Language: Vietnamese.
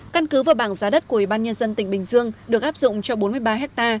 căn cứ và bảng giá đất của ủy ban nhân dân tỉnh bình dương được áp dụng cho bốn mươi ba ha